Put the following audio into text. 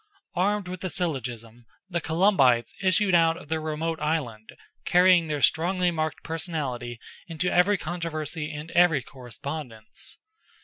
Armed with the syllogism, the Columbites issued out of their remote island, carrying their strongly marked personality into every controversy and every correspondence.